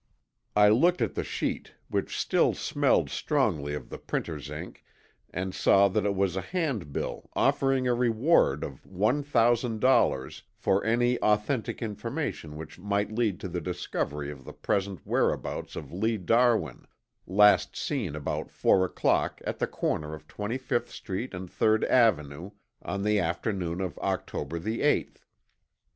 I looked at the sheet, which still smelled strongly of the printer's ink, and saw that it was a hand bill offering a reward of one thousand dollars for any authentic information which might lead to the discovery of the present whereabouts of Lee Darwin, last seen about four o'clock at the corner of Twenty fifth Street and Third Avenue, on the afternoon of October the eighth.